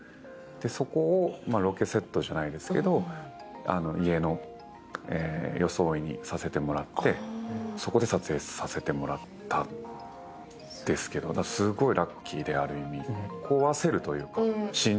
そこをロケセットじゃないですけど家の装いにさせてもらってそこで撮影させてもらったんですけど、すごいラッキーで、ある意味。